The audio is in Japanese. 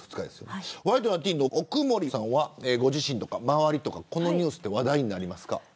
ワイドナティーンの奥森さんは周りでこのニュース話題になりますか。